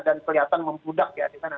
dan kelihatan membudak ya di sana